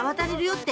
って